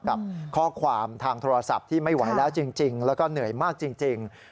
กับข้อความทางโทรศัพท์ที่ไม่ไหวแล้วจริงแล้วก็เหนื่อยมากจริง